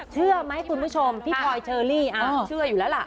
เชื่อไหมคุณผู้ชมพี่พลอยเชอรี่เชื่ออยู่แล้วล่ะ